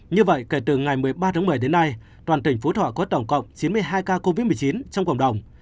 như vậy kể từ ngày một mươi ba tháng một mươi đến nay toàn tỉnh phú thọ có tổng cộng chín mươi hai ca covid một mươi chín trong cộng đồng